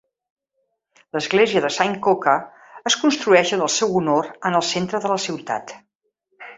L'església de Saint Coca es construeix en el seu honor en el centre de la ciutat.